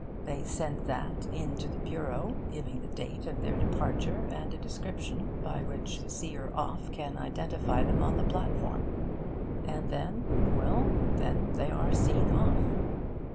They send that in to the Bureau, giving the date of their departure, and a description by which the seer off can identify them on the platform. And then well, then they are seen off.'